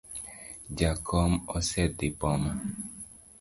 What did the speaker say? Jakom osedhi boma.